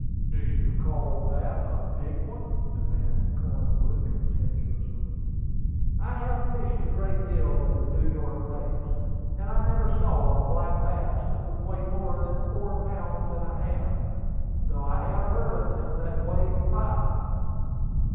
"Do you call that a big one?" demanded Cornwood contemptuously. "I have fished a great deal in the New York lakes, and I never saw a black bass that would weigh more than four pounds and a half, though I have heard of them that weighed five."